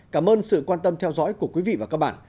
cảm ơn sự quan tâm theo dõi của quý vị và các bạn